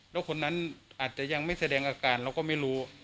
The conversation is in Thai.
แล้วคนนั้นอาจจะยังไม่แสดงอาการเราก็ไม่รู้